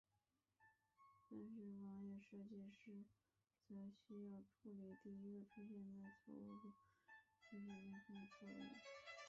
但是网页设计师则只需要处理第一个出现的错误并排除余下连串的错误。